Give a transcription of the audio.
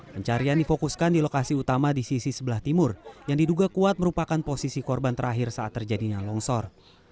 pencarian difokuskan di lokasi utama di sisi sebelah timur yang diduga kuat merupakan posisi korban terakhir saat terjadinya longsor